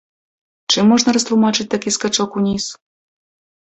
Чым можна растлумачыць такі скачок уніз?